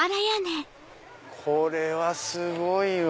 これはすごいわ。